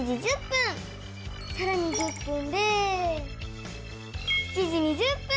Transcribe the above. さらに１０分で７時２０分！